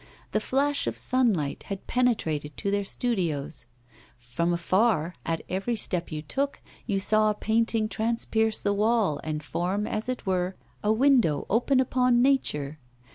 The flash of sunlight had penetrated to their studios. From afar, at every step you took, you saw a painting transpierce the wall and form, as it were, a window open upon Nature.